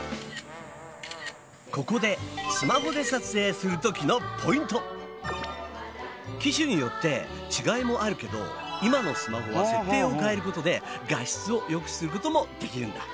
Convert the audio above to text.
ここで機種によって違いもあるけど今のスマホは設定を変えることで画質をよくすることもできるんだ。